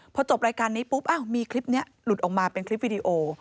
พอจบรายการนี้ปุ๊บมีคลิปนี้หลุดออกมาเป็นคลิปวิดีโอ